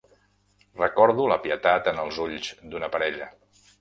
Recordo la pietat en els ulls d'una parella.